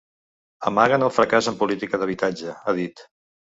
Amaguen el fracàs en política d’habitatge, ha dit.